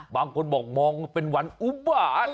บางคนบอกมองว่าเป็นวันอุบาต